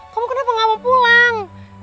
kamu kenapa gak mau pulang